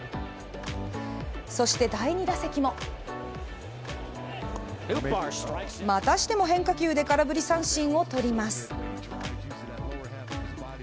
そして第２打席もまたしても変化球で空振り三振を取ります。